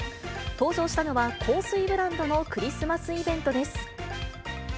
登場したのは香水ブランドのクリスマスイベントです。